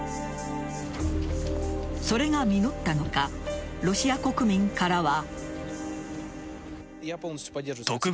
それが実ったのかロシア国民からは。